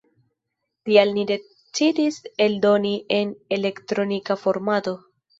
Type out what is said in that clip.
Tial ni decidis eldoni en elektronika formato.